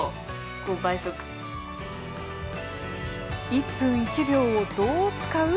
１分１秒をどう使う？